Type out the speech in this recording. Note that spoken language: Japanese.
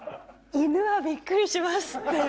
犬はびっくりしますって。